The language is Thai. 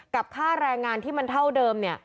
กับค่าแรงงานที่มันเท่าเดิม